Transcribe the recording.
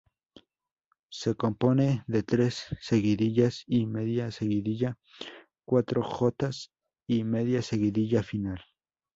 Se compone de tres seguidillas y media seguidilla, cuatro jotas y media seguidilla final.